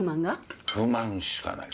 不満しかない。